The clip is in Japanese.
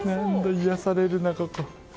癒やされるな、ここ。